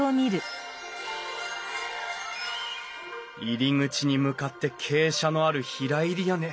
入り口に向かって傾斜のある平入り屋根。